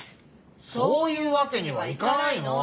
そういうわけにはいかないの！